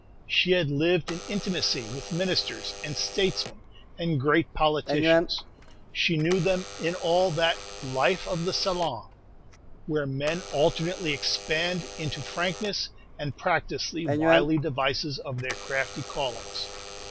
She had lived in intimacy with ministers, and statesmen, and great politicians. She knew them in all that "life of the salon" where men alternately expand into frankness, and practise the wily devices of their crafty callings.